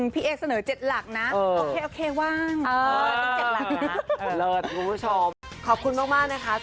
พี่เอ๊กเสนอเจ็ดหลักนะ